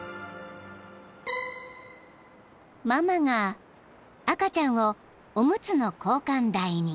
［ママが赤ちゃんをおむつの交換台に］